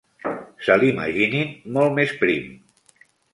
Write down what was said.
Se l'imaginin molt més prim.